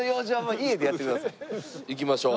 行きましょう。